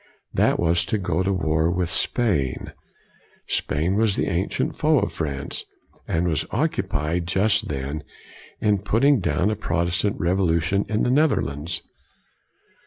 That was to go to war with Spain. Spain was the ancient foe of France, and was occupied just then in putting down COLIGNY 159 a Protestant revolution in the Nether lands.